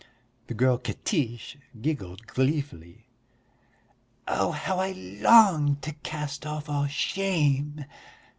The girl Katiche giggled gleefully. "Oh, how I long to cast off all shame!"